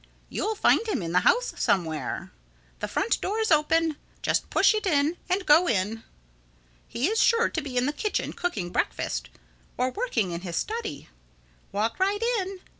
You'll find him in the house somewhere. The front door is open. Just push it and go in. He is sure to be in the kitchen cooking breakfast—or working in his study. Walk right in.